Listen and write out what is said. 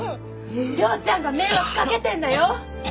遼ちゃんが迷惑かけてんだよ！？